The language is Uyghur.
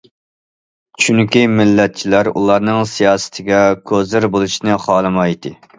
چۈنكى مىللەتچىلەر ئۇلارنىڭ سىياسىتىگە كوزىر بولۇشنى خالىمايتتى.